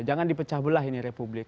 jangan di pecah belah ini republik